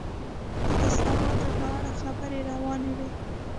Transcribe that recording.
د اصلاحاتو په اړه خبرې روانې وې.